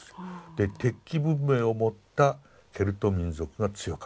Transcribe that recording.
で鉄器文明を持ったケルト民族が強かった。